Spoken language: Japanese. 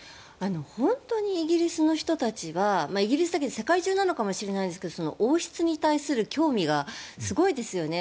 本当にイギリスの人たちはイギリスだけじゃなくて世界中なのかもしれませんが王室に対する興味がすごいですよね。